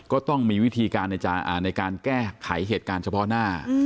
ก็ต้องมีวิธีการในการแก้ไขเหตุการณ์เฉพาะหน้า